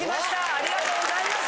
ありがとうございます。